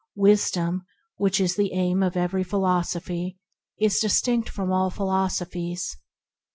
Wis dom, the aim of every philosophy, is distinct from all philosophies.